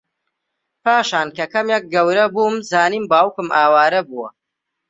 پاشان کە کەمێک گەورەبووم زانیم باوکم ئاوارە بووە